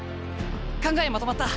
考えまとまった。